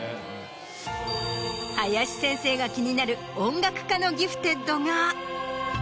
林先生が気になる音楽家のギフテッドが。